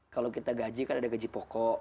kalau kita gaji kan ada gaji pokok